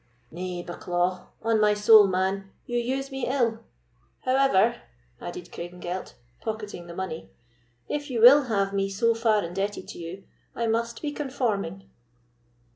"Nay, Bucklaw; on my soul, man, you use me ill. However," added Craigengelt, pocketing the money, "if you will have me so far indebted to you, I must be conforming."